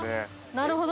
◆なるほど？